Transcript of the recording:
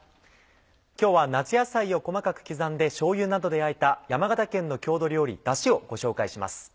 今日は夏野菜を細かく刻んでしょうゆなどであえた山形県の郷土料理だしをご紹介します。